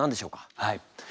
はい。